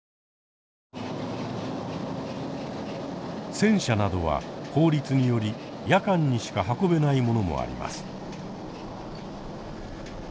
戦車などは法律により夜間にしか運べないものもあります。